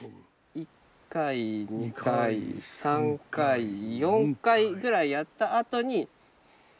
１回２回３回４回ぐらいやったあとに。